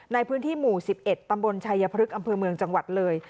ในพื้นที่หมู่๑๑ตำบลชัยพฤกษ์อำเภอเมืองจังหวัดเลย